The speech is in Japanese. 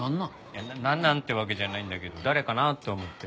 いやなんなん？ってわけじゃないんだけど誰かなって思って。